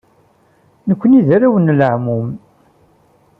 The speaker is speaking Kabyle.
Nekkni d arraw n leɛmum.